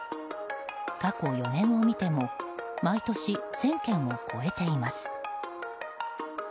過去４年を見ても毎年１０００件を超えています。